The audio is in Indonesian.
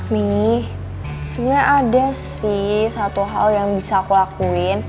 mie sebenarnya ada sih satu hal yang bisa aku lakuin